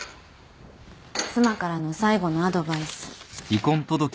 妻からの最後のアドバイス。